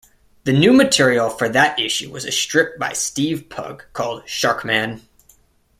The new material for that issue was a strip by Steve Pugh called Shark-Man.